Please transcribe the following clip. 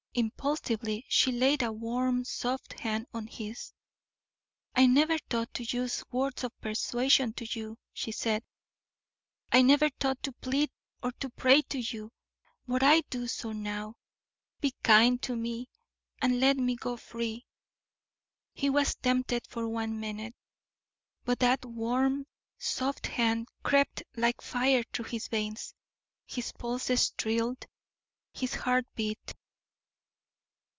Impulsively she laid a warm, soft hand on his. "I never thought to use words of persuasion to you," she said. "I never thought to plead or to pray to you, but I do so now: be kind to me, and let me go free." He was tempted for one minute; but that warm, soft hand crept like fire through his veins, his pulses thrilled, his heart beat.